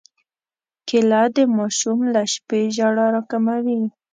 کېله د ماشوم له شپې ژړا راکموي.